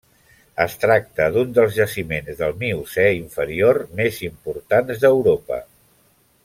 Es tracta d'un dels jaciments del Miocè inferior més importants d'Europa.